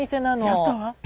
やったわ。